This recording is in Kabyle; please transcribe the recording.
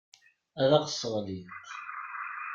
Ad aɣ-sseɣlint.